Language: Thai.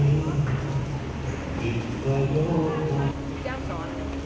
สวัสดีครับสวัสดีครับ